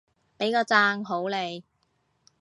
畀個讚好你